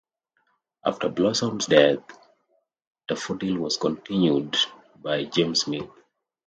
After Blossom's death, Daffodil was continued by James Smith.